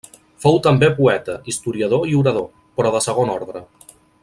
Fou també poeta, historiador i orador, però de segon ordre.